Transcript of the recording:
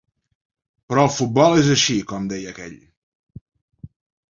Però el futbol és així, com deia aquell.